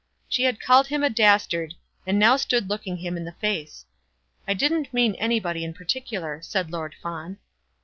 She had called him a dastard, and now stood looking him in the face. "I didn't mean anybody in particular," said Lord Fawn.